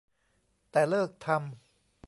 แต่ เลิกทำ